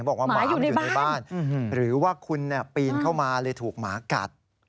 บอกว่าหมามันอยู่ในบ้านหรือว่าคุณปีนเข้ามาเลยถูกหมากัด